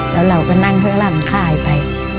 แล้วเราก็นั่งเพื่อร่างค่ายไป